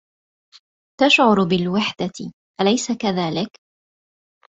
تَشعرُ بالوحدة، أليس كذلك؟